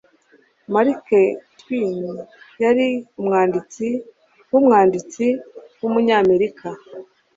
Mark Twain yari umwanditsi w’umwanditsi w’umunyamerika.